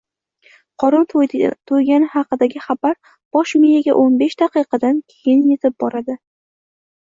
Qorin to‘ygani haqidagi xabar bosh miyaga o'n besh daqiqadan keyin yetib boradi.